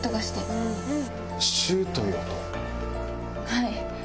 はい。